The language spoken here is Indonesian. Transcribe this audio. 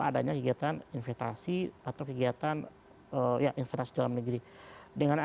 dengan adanya kegiatan investasi atau kegiatan investasi dalam negeri kita bisa melambat sehingga kegiatan investasi dalam negeri